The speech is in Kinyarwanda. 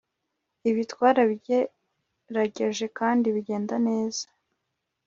Ibi twarabigerageje kandi bigenda neza